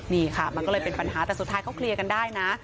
นี่ค่ะมันก็เลยเป็นปัญหาแต่สุดท้ายเขาเคลียร์กันได้นะ